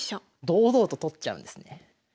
堂々と取っちゃうんですね。